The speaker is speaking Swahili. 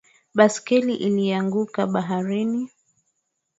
Baiskeli ilianguka baharini